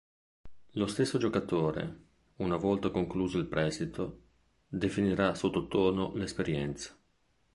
Lo stesso giocatore, una volta concluso il prestito, definirà sottotono l'esperienza.